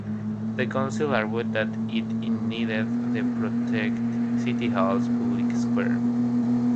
The Council argued that it needed to "protect City Hall's public square".